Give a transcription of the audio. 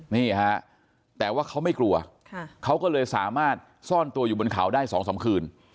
นี่ฮะแต่ว่าเขาไม่กลัวเขาก็เลยสามารถซ่อนตัวอยู่บนเขาได้๒๓คืน